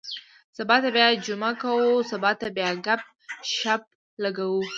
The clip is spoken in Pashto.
سبا ته بیا جمعه کُو. سبا ته بیا ګپ- شپ لګوو.